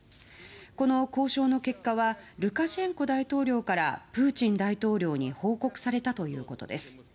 この交渉の結果はルカシェンコ大統領からプーチン大統領に報告されたということです。